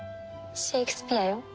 シェイクスピアよ。